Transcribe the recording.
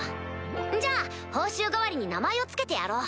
じゃあ報酬代わりに名前を付けてやろう！